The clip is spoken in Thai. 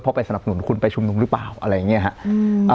เพราะไปสนับสนุนคุณไปชุมนุมหรือเปล่าอะไรอย่างนี้ครับ